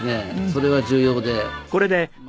それが重要で。